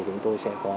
chúng tôi sẽ có